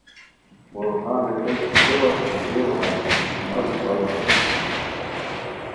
مغل خان ریتائے کی کیاوت کی ہے دیو ہائے مہ روپھاوے ریتائے